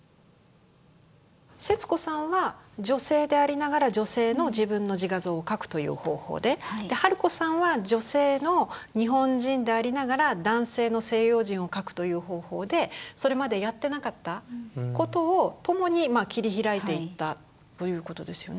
節子さんは女性でありながら女性の自分の自画像を描くという方法で春子さんは女性の日本人でありながら男性の西洋人を描くという方法でそれまでやってなかったことを共に切り開いていったということですよね。